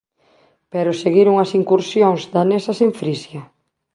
Pero seguiron as incursións danesas en Frisia.